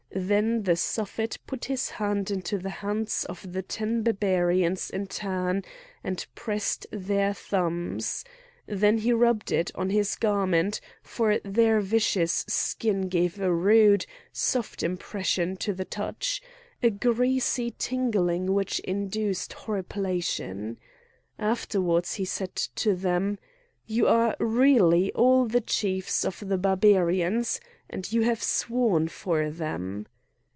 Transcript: Then the Suffet put his hand into the hands of the ten Barbarians in turn, and pressed their thumbs; then he rubbed it on his garment, for their viscous skin gave a rude, soft impression to the touch, a greasy tingling which induced horripilation. Afterwards he said to them: "You are really all the chiefs of the Barbarians, and you have sworn for them?"